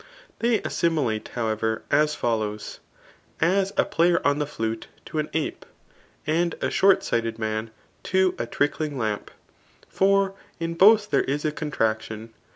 They assimilate, however, as fol lows : as, a player on the flute to an ape ;' and a short* sighted man to a trickling lamp ; for in both there is a contraction.